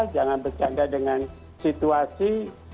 jangan bercanda dengan situasi